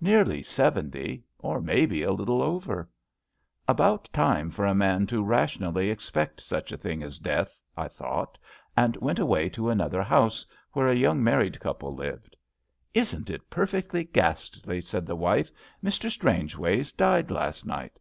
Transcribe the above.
Nearly seventy, or maybe a little over/* ^^ About time for a man to rationally ez]^t such a thing as death, ^' I thought, and went away to another house, where a young married couple lived. Isn't it perfectly ghastly? *' said the wife. " Mr. Strangeways died last night.